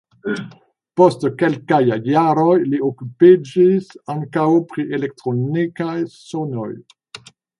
Post kelkaj jaroj li okupiĝis ankaŭ pri elektronikaj sonoj.